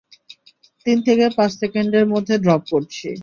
তিন থেকে পাঁচ সেকেন্ডের মধ্যে ড্রপ করছি।